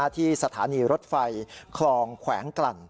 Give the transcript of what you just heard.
ที่สถานีรถไฟคลองแขวงกลั่น